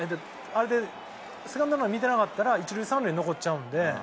あれでセカンドランナー見てなかったら一塁三塁残っちゃうんで。